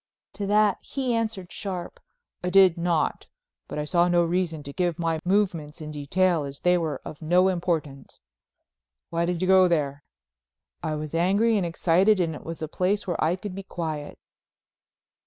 To that he answered sharp: "I did not—but I saw no reason to give my movements in detail, as they were of no importance." "Why did you go there?" "I was angry and excited and it was a place where I could be quiet."